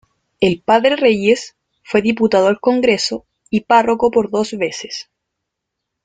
El Padre Reyes fue Diputado al Congreso y Párroco por dos veces.